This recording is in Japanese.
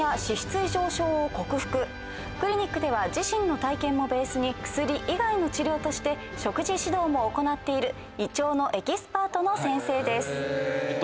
クリニックでは自身の体験もベースに薬以外の治療として食事指導も行っている胃腸のエキスパートの先生です。